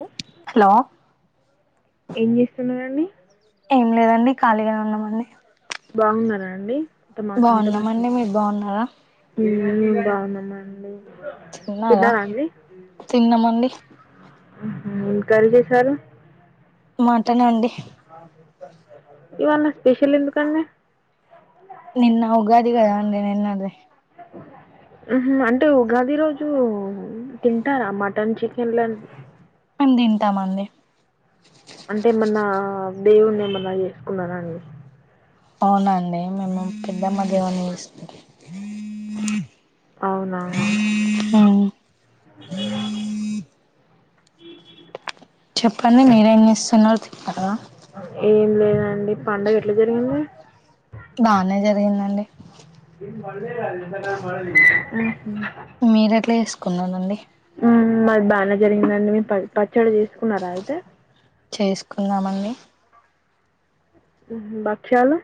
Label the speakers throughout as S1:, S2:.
S1: Hello
S2: hello
S1: ఏం చేస్తున్నండి
S2: ఏం లేదండి ఖాళీగానే ఉన్నామండి
S1: బాగున్నారా అండి అంత మా
S2: బాగున్నామండి మీరు బాగున్నారా
S1: బాగునమండి
S2: తిన్నారా తిన్నమండి
S1: ఇంకాలి చేసారు
S2: మటన్ అండి
S1: ఇవన్న స్పెషల్ ఎందుక
S2: నిన్న ఉగాదిగాదా అండి నిన్నటది
S1: అంటే ఉగాది రోజు తింటారా మటన్ చికెన్లని
S2: అ తింటామండి
S1: అంటే ఏమన్నా దేవుని ఏమన్నా చేసుకున్నరా అండి
S2: అవునండి మేము పెద్దమ్మ దేవుణ్ణి చేసుకుంటాం
S1: అవునా
S2: ఉమ్ చెప్పండి మీరేం చేస్తున్నారు తిన్నారా హాలో
S1: ఏం లేదండి పండగ ఎట్లా జరిగింది
S2: బానే జరిగిందండి
S1: ఇం మదది మ
S2: మీరు ఎట్లా చేసుకున్నారండి
S1: మాది బాగా జరిగిందండి మీ ప పచ్చడి చేసుకున్నారా అయితే
S2: చేసుకున్నామండి
S1: బక్షాలు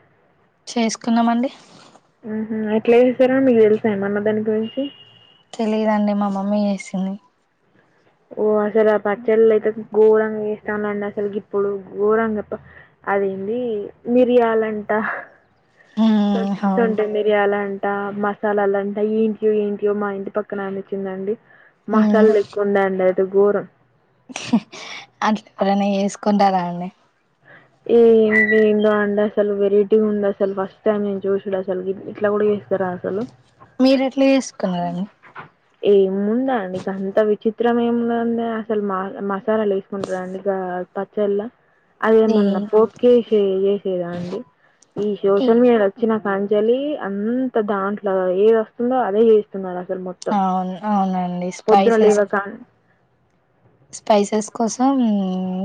S2: చేసుకున్నామండి
S1: ఎట్లే చేస్తారని మీకు తెలుసా మన్న దాని గురించి
S2: తెలిదండి మా మమ్మీ చేసింది
S1: ఓ అసలు ఆ పచ్చళ్ళ అయితే ఘోరంగా వేస్తాండి అసలుకి ఇప్పుడు ఘోరంగా అద ఏంది మిరియాలంట స
S2: ఉమ్
S1: సొం
S2: అవును
S1: మిరియాల అంటడి మసాలాలుంటా ఏంటియో ఏంటియో మా ఇంటి పక్కన అపచ్చిందండి
S2: ఉమ్
S1: మసాలా దకుడా అండ గోరం
S2: అట్లా ఎవరైనా వేసుకు కొంటారండి
S1: ఏ ఏందో అండి అసలు వెరైటీ ఉంది అసలు ఫస్ట్ టైం నేను చూసడు అసలు ఇట్లా కూడా చేస్తారా అసలు
S2: మీరు ఎట్లా చేసుకున్నారండి
S1: ఏముముందండి గంత విచిత్రం ఏముందంది అసలు మా మా మసాలాలు లేేసుకుంటర అండి గా పచ్చళ్ళ
S2: ఈ
S1: అదేమన్నా పోప్ కేసి చేసేదా అండి ఈ సోషల్ మీడియా వచ్చినం అంజలి అంత దాంట్లో ఏది వస్తుందో అదే తీస్తున్నారు
S2: అవును అవునండి స్పైసెస్
S1: లేవకాన్
S2: స్పైసెస్ కోసం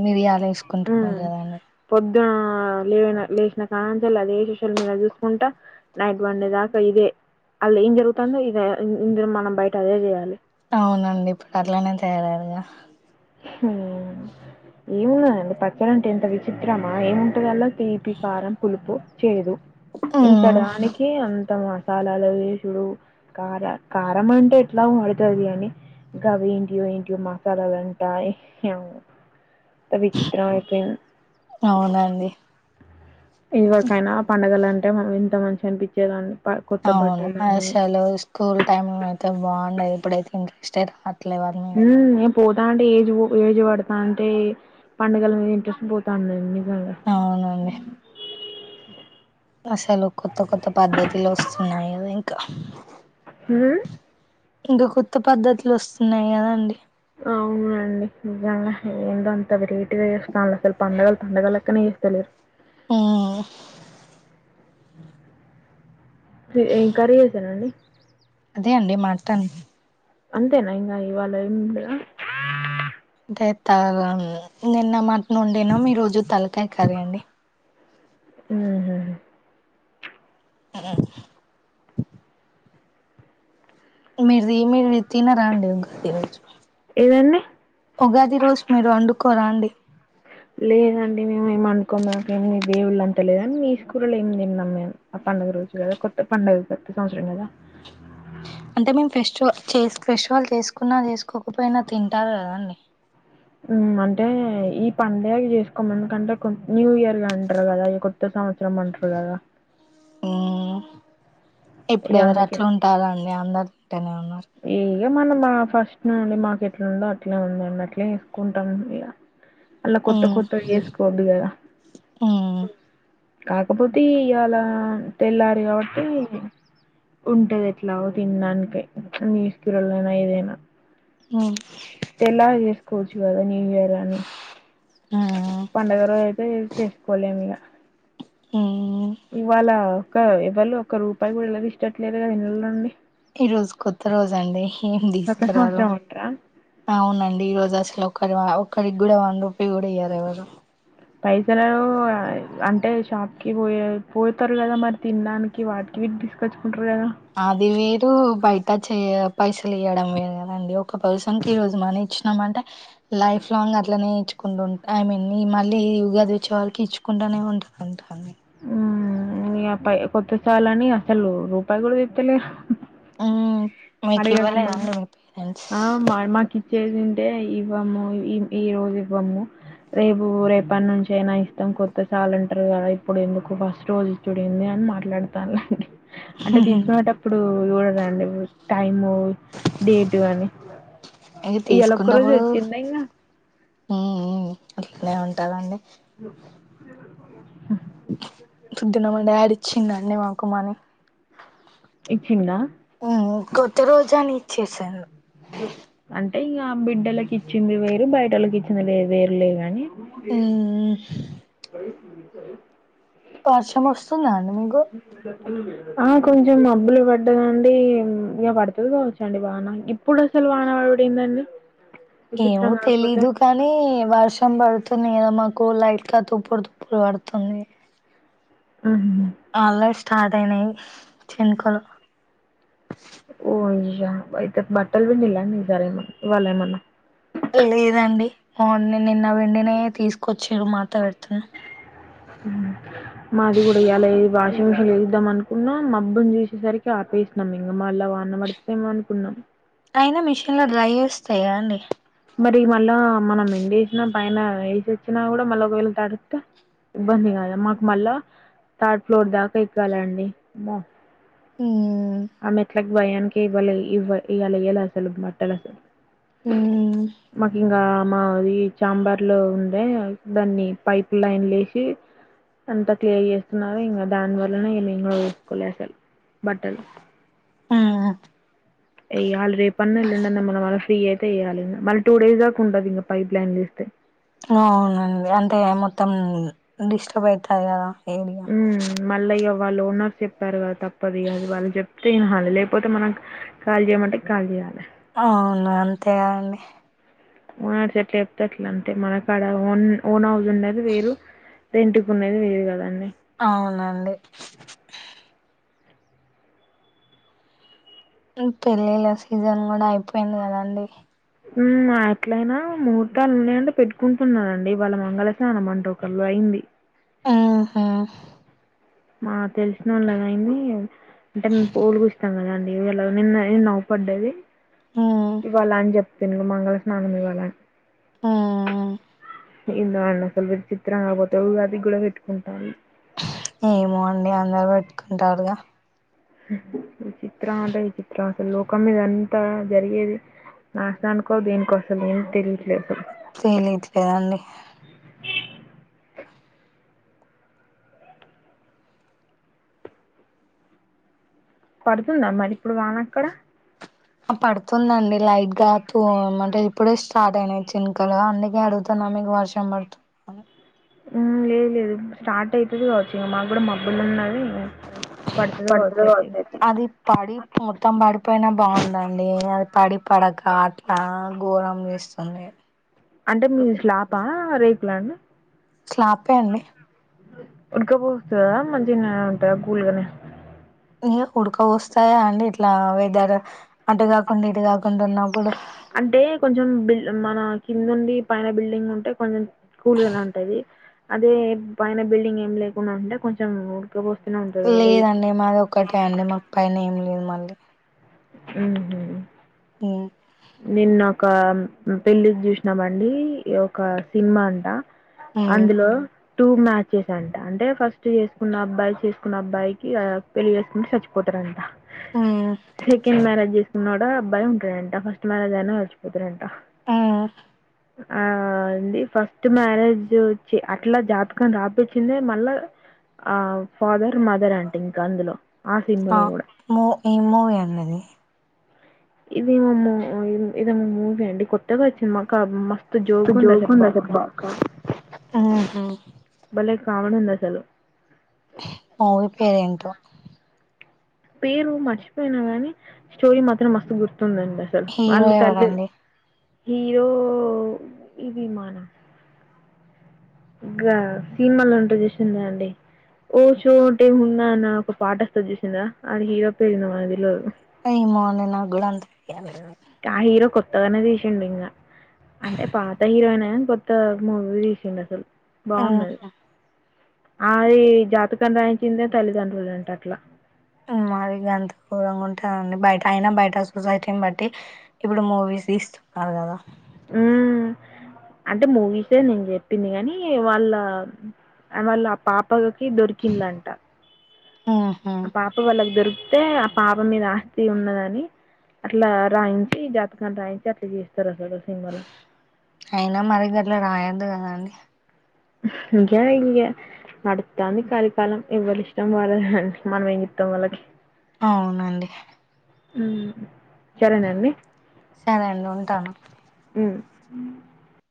S2: మిర్యాల చూసుకుంటున్నాడు కదా అని
S1: ఇ లే లేచిన కాణ అదే సోషల్ మీడియా చూసుకుంటా నైట్ వన్డే దాకా ఇదే అళ్ ఏం జరుగుతుందో ఇదే ఇందులో మనం బయట అదే చేయాలి
S2: అవునండి ఇప్పుడు అట్లానే తయారయ్యారు గా
S1: ఉమ్ ఏమున్నాదండి పచ్చడి అంటే ఎంత విచిత్రమా ఏముంట దాంట్లో తీపి కారం పులుపు చేదు ఇంత
S2: ఉమ్
S1: దానికి అంత కారాలు అవి ఏసుడు కార కారం అంటే ఎట్లా వాడుతాది కాని గా ఏంటి ఇవి ఏంటి మసాలాలు ఉంటాయి ఏమో చిత్ర విచిత్రం అయిపోయింది
S2: అవునండి
S1: ఎవరికైనా పండుగల అంటే ఇంత మంచి అనిపించేదండి
S2: అవును అసలు స్కూల్ టైమ్ అయితే బాగుండేది [unintelligible] లివర్ మీద
S1: హ్మ్. నేను పోతా అంటే ఏజ్ ఏజ్ పడతా అంటే పండుగల మీద ఇంట్రెస్ట్ పోతా ఉండండి
S2: అవునండి అసలు కొత్త కొత్త పద్ధతులు వస్తున్నాయి అండి ఇంకా
S1: ఊ
S2: ఇంకా కొత్త పద్ధతులు వస్తున్నాయా అండి
S1: అవునండి నిజంగా ఏందో అంత వెరైటీగా చేస్తన్నారు అసలు పండగలు పండగలు లెక్కనే చేస్త లేరు
S2: ఆ
S1: ఏం కర్రీ చేేసారండి
S2: అదే అండి మటన్
S1: అంతేనా ఇంగ ఇవాళ ఏం ఉండద
S2: చేత నిన్న మట నుండినా మీ రోజు తలకాయ కరీ అండి
S1: ఉహూ
S2: ఆ మీరు మీరు తిన రండి ఒకగాది రోజు
S1: ఏదండి
S2: ఉగాది రోజు మీరు వండుకోరా అండి
S1: లేదండి మేము ఏమండుకోన్నాక ఏమి దేవుళ్ళని తెలిదుని మీ స్కూలోమి త నమ్మే ఆ పండుగ రోజు కదా కొత్త పండుగ కొత్త సంవత్సరం కదా
S2: అంటే మేము ఫెస్టివల్ ఫెస్టివల్ చేసుకున్నా చేసుకోకపోయినా తింటారు కదండి
S1: అంటే ఈ పడుగ చేసుకోమందుకంటే న్యూ ఇయర్ అంటారు కదా ఇ కొత్త సంవత్సరం అంటారు కదా
S2: ఈ
S1: ఇగ
S2: ఇప్పుడువరు అట్లు ఉంటారుండి అందరు టనే ఉన్న
S1: ఏ ఇ మనం మా ఫస్ట్ నుండి మాకు ఎట్లా ఉందో అట్లే ఉందన్నట్లే వేసుకుంటాం ఇక అలా కొత్త
S2: మ్మ్
S1: కొత్తవి వేసుకోవద్దు కద
S2: మ్మ్
S1: కాకపోతే ఇవాలా తెల్లారు కాబట్టి ఉంటది ఎట్లాగో తినడానికి నిసుకిరల్ అయిన ఏదైనా
S2: మ్మ్
S1: పెళ్ళయాక చెస్ కోచ్చు కదా న్యూ ఇయర్ అని
S2: మ్మ్
S1: పండుగ రోజు అయితే యూస్ చేసుకోలేము ఇగ
S2: మ్మ్
S1: ఇవాళ ఒక ఎవళ్ళూ ఒక రూపాయి కూడా [unintelligible] ట్లేదు కదా ఇళ్లలో నుండి
S2: ఈ రోజు కొత్త రోజు అండి ఏం
S1: కొత్త
S2: తీసుకురాలే
S1: సంవత్సరం అంటరా
S2: అవునండి ఈ రోజు అసలు ఒక ఆ ఒకరికి కూడా వన్ రూపి కూడా ఇయ్యారు ఎవరు
S1: పైసలు అంటే షాప్ కి పోయ పోతారు కదా మరి తినడానికి వాటికి వీటికి తీసుకొచ్చుకుంటారు కదా
S2: అది వేరు బయట చెయ పైసలు ఇయడం వేరు కదండి ఒక పర్సన్ క ఈ రోజు మనీ ఇచ్చినాం అంటే లైఫ్ లాంగ్ అట్లానే ఇచ్ కుండట్ ఐ మీన్ మళ్ళీ ఉగాది వచ్చే వళ్కి ఇచ్చుకుంటానే ఉంటారుంటా
S1: ఊ ఇయ పై కొత్త సాలని అసలు రూపాయి కూడా దీత్తలే
S2: ఊ మీకు ఇవ్వలేదా అండి మీ పేరెంట్స్
S1: చేసింటే ఇవ్వము ఈ రోజు ఇవ్వము రేపు రేపుడ్నుంచి అయినా ఇస్తాం కొత్త సాలంటారు కదా ఇప్పుడు ఎందుకు ఫస్ట్ రోజు ఇచ్చుడేంది అని మాట్లాడతాను [inaudible] అంటే తీసుకునేటప్పుడు చూడకండి టైము డేటు అని
S2: ఇగ
S1: ఇయాల ఒక్క రోజే వచ్చిండా ఇంగ
S2: ఊ ఊ అట్లనే ఉంటాదండి
S1: హు
S2: పుద్దున మా డాడ్ ఇచ్చిండండి మాకు మని
S1: ఇచ్చింద
S2: కొత్త రోజాని ఇచ్చసాను
S1: అంటే ఇంకా బిడ్డలకి ఇచ్చింది వేరు బయటకి ఇచ్చింది వేరు లే కాని [inaudible] [inaudible]
S2: మ్మ్ వర్షం వస్తుందా అండి మీకు
S1: ఆ కొంచెం మబ్బులు పడ్డదండి ఇగ పడుతది కావచ్చండి వాన పప్పుడు అసలు వనపడుడు ఏందండి
S2: ఏమో తెలీదు కానీ వర్షం పడుతు ంది కదా మాకు లైట్ గా తుప్పుడు తుప్పుడు పడుతుంది
S1: ఆహ
S2: అల్రడీ స్టార్ట్ అయినాయి చినుకులు
S1: ఓ అయ్యా బాట్టలు పిండిరా అండి ఇవాళ ఏం అన్న
S2: లేదండి మ నిన్న వెండినే తీసుకొచ్చారు మార్తా పెడుతున్నా
S1: మాది కూడా ఇ్యలా వాషింగ్ మిషన్ వేదిద్దాం అనుకున్నాం మా అబ్బుని చూసేసరికి ఆపేసినాం ఇంకా మా అలా వాన పడుతది ఏమో అనుకున్నాం
S2: అయినా మిషన్ లో డ్రై చేస్తాయి కదా అండి
S1: మరి మళ్ళా మనం ఎం వేసినా పైన వల్సి వచ్చినా కూడా మళ్ళీ ఒకవేళ తడితే ఇబ్బంది కాదు మాకు మళ్ళా థర్డ్ ఫ్లోర్ దాకా ఎక్కాలి అండి
S2: హు
S1: ఆమె మెట్ల భయానికి కేవల ఇవ ఇలా ఎలా అసలు బట్టలకు
S2: మ్మ్
S1: మకింగా మా చాంబర్ లో ఉండే దాన్ని పైప్ లైన్ లేసి అంత క్లియర్ చేస్తున్నారుారో ఇంకా దాని వల్లనే ఏమేం కూడా వేసుకోలే అసలు బట్టలు
S2: ఆహా
S1: అ ఆల్ రేపు రేపున్నయేళ్ళుండన్న [inaudible] ఫ్రీ అయితే చేయాలి మళ్ళీ టూ డేస్ా ఉంటుది ఇంకా పైప్లైన్లు ఇస్తే
S2: అ అవునండి అంటే మొత్తం డిస్టర్బ్ అయితది కదా ఏ [unintelligible]
S1: వాళ్ళు ఓనర్స్ చెప్పారు కదా తప్ప పదిఇగ వాాల చెప్ప వినాలి లేకపోతే మనం ఖాళీ చేయమంటే ఖాళీ చేయాలి
S2: ఆ అవును అంతేగాండి
S1: ఓనర్స్ ఎట్ల చెప్తే అట్లా అంటే మనకడా ఓన్ ఓన్ హౌస్ ఉన్నది వేరు ఎంటకికున్నది వేరు కదండి
S2: అవునండి పెళ్ళిళ్ళ సీజన్ కూడా అయిపోయింది కదండి
S1: ఎట్లయినా ముహూర్తాలు ఉన్నాయింటే పెట్టుకుంటున్నారంండి ఇ వాళ్ళ మంగళసానం వంటకల్లో అయింది
S2: ఆహా
S1: మా తెలిసిన వాళగాయన్ని అంటే పోల్కు ఇస్తంగాద ఎలా నిన్న నిన్న న్వు పడ్డేది
S2: మ్మ్
S1: ఇవళ అని చెప్ప తి మంగళ స్నానం వాళన్
S2: ఆ
S1: ఇందు వాళ్ళని అసలురు చిత్రం కాకపోతే అది కూడా పెట్టుకుంటాి
S2: ఏమో అండి అందరుూ పెట్టుకుంటారుగా
S1: ఈ చిత్రం అంటే ఈ చిత్రం అసలు లోకం మీదంతా జరిగేది నాశ అనుకోాలి దేనికి అసలు ఏం తెలియట్లేదు అసలు
S2: తెలియట్లేదండి
S1: పడుతుందామ్ మరి ఇప్పుడు వాన అక్కడ
S2: ఆ పడుతుందండి లైట్ గా త అంటే ఇప్పుడే స్టార్ట్ అయినయి చినకలు అందుకే అడుగుతున్నా మీకు వర్షం పడుతున్నా
S1: లేదు లేదు స్టార్ట్ అవుతుది కావచ్చు ఇంక మాకు కూడా మాబ్బులు ఉన్నది పడుతుంది కావచ్చు
S2: పడుతు
S1: అయితే ఇక.
S2: అది పడిపో మొత్తం పడిపోయినా బాగుందండి అది పడి పడక అట్లా ఘోరం చేస్తుంది
S1: అంటే మీ శ్లాప రే పలాండి
S2: స్లాపే అండి
S1: ఉడకపోస్తుందా మంచినే ఉంటాయా కూల్గానే
S2: ఉడక వస్తాయా అండి ఇట్లా వెదర్ అటు కాకుండా ఇటు కాకుండా ఉన్నప్పుడు
S1: అంటే కొంచెం బిల్ మన కిందండి పైన బిల్డింగ్ ఉంటే కొంచెం కూల్గాలా ఉంటాది అదే పైన బిల్డింగ్ ఏమి లేకుండా ఉంటే కొంచెం ఉడకపోస్తూనే ఉంటుంది కదా వేడికి
S2: లేదండి మాది ఒకటే అండి మా పైన ఏం లేదు మళ్ళీ
S1: అ
S2: ఉమ్
S1: నిన్న ఒక పెళ్ళికి చూసినామండి ఒక సినిమా అంట
S2: ఉమ్
S1: అందులో టూ మ్యాచెస్ అంట అంటే ఫస్ట్ చేసుకున్న అబ్బాయి చేసుకున్న అబ్బాయికి పెళ్ళి చేసుకుంటని చచ్చిపోతారంట
S2: ఆ
S1: సెకండ్ మ్యారేజెస్ నోడ భయం ఉంట అంట ఫస్ట్ మ్యారజ్న హచపోతు్ర అంట
S2: ఆ
S1: ఆ ఇంది ఫస్ట్ మ్యారేజ్ వచ్చి అట్లా జాతకం రాపచ్చింది మళ్ళా ఆ ఫాదర్ మదర్ అంటే ఇంకా అందులో
S2: ఆ
S1: సినిమాలో గూడా.
S2: మూ ఈ మూవీ అండి అది
S1: ఇదిేమమ్మ ఇదేమమ్మూవి అండి కొత్తగా వచ్చిందండి మాకాబ్ మక
S2: పెద్ద జోక్ ఉంది అస్సలు బాబూ ఆహా
S1: బలే కామెడీ ఉంది అస్సలు
S2: మూవీ పేరు ఏంటో
S1: పేరు మర్చిపోయినా గాని స్టోరీ మాత్రం మస్తు గుర్ తుంది అండి అసలు
S2: హీరో
S1: వాళ్ళు తల్లి
S2: ఎవరండి
S1: హీరో ఇది మన గా సినిమాలుంటాడు చూసింరా అండి ఓ చోటే ఉన్నానా అన్న ఒక పాట వస్తాది చూసింరా ఆ హీరో పేరు ఏందో నాకు తెల్వదు
S2: ఏమో అండి నాకూడా అంత తెల్వదు
S1: ఆ హీరో కొత్తగానే తీసిండు ఇంగ అంటే పాత హీరో అయినే కొత్త మూవీ తీసిండు అసలు బాగుంది అది
S2: ఉహు
S1: అది జాతకం రాయించిందే తల్లిదండ్రులు అంట అట్లా
S2: మరి గంత గోరంగా ఉంటారా అండి బయట అయినా బయట సొసైటీని బట్టి ఇప్పుడు మూవీస్ తీస్తున్నారు కదా
S1: హుమ్మ్ అంటే మూవీసే నేను చెప్పింది గనీ వాళ్ళ వాళ్ళ ఆ పాప కి దొరికిన్లంట
S2: ఉహు
S1: ఆ పాప వాళ్ళకి దొరికి తే ఆ పాప మీద ఆస్తి ఉన్నదని అట్లా రాయించి జాతకాన్ని రాయించి అట్లా చేస్తారు అన్నట్టు ఆ సినిమాలో
S2: అయినా మరి గట్ల రాయొద్దు కదాండి
S1: ఇంకా ఇగ నడుతాంది కలికాలం ఎవరి ఇష్టం వాళ్ళది మనం ఏం జెత్తం దానికి
S2: అవునండి
S1: మ్ సరేనండి
S2: సరే అండి ఉంటాను
S1: ఉమ్ [inaudible]